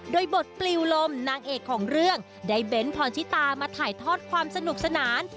โดยบทปลิวลมนางเอกของเรื่องได้เบ้นพรชิตามาถ่ายทอดความสนุกสนาน